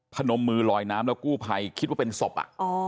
นมมือลอยน้ำแล้วกู้ภัยคิดว่าเป็นศพ